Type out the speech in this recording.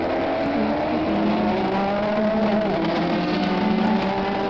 Tutuula ku kyoto ne maama waffe ne tukubaganya ebirowoozo ku nsonga nnyingi.